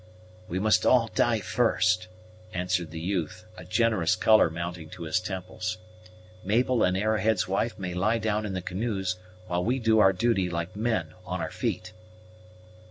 "We must all die first," answered the youth, a generous color mounting to his temples; "Mabel and Arrowhead's wife may lie down in the canoes, while we do our duty, like men, on our feet."